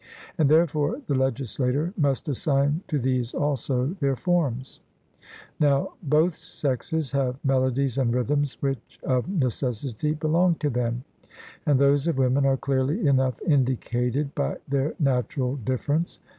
And therefore the legislator must assign to these also their forms. Now both sexes have melodies and rhythms which of necessity belong to them; and those of women are clearly enough indicated by their natural difference.